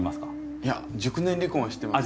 いや熟年離婚は知ってます。